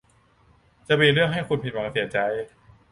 จะมีเรื่องให้คุณผิดหวังเสียใจ